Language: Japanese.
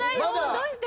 どうして？